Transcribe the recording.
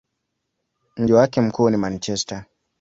Mji wake mkuu ni Manchester.